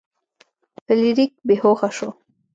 فلیریک بې هوښه شو.